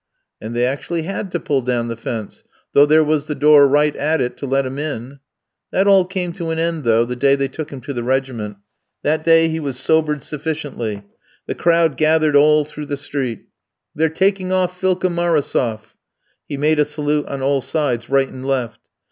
"And they actually had to pull down the fence, though there was the door right at it to let him in. That all came to an end though, the day they took him to the regiment. That day he was sobered sufficiently. The crowd gathered all through the street. "'They're taking off Philka Marosof!' "He made a salute on all sides, right and left.